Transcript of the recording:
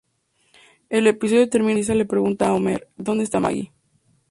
El episodio termina cuando Lisa le pregunta a Homer "¿Dónde está Maggie?